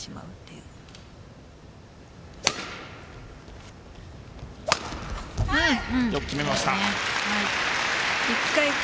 よく決めました。